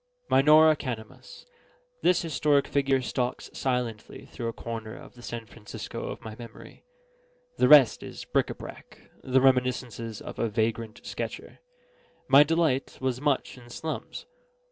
Minora Canamus. This historic figure stalks silently through a corner of the San Francisco of my memory: the rest is bric a brac, the reminiscences of a vagrant sketcher. My delight was much in slums.